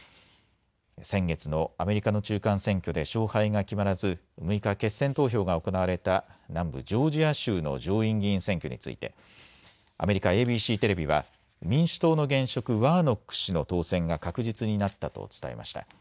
先月のアメリカの中間選挙で勝敗が決まらず６日、決選投票が行われた南部ジョージア州の上院議員選挙についてアメリカ、ＡＢＣテレビは民主党の現職、ワーノック氏の当選が確実になったと伝えました。